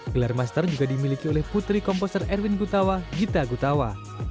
gelar master juga dimiliki oleh putri komposer erwin gutawa gita gutawa